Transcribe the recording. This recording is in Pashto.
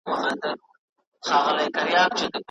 د اقتصادي انکشاف لپاره پلان اړین دی.